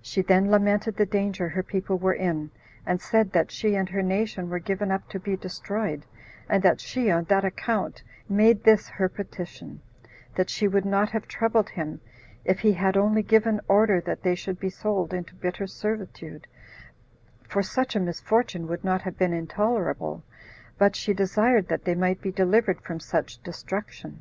She then lamented the danger her people were in; and said that "she and her nation were given up to be destroyed, and that she, on that account, made this her petition; that she would not have troubled him if he had only given order that they should be sold into bitter servitude, for such a misfortune would not have been intolerable; but she desired that they might be delivered from such destruction."